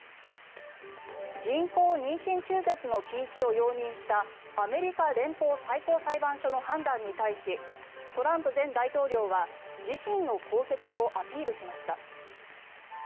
人工妊娠中絶の禁止を容認したアメリカ連邦最高裁判所の判断に対しトランプ前大統領は自身の功績とアピールしました。